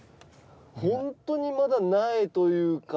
ホントにまだ苗というか。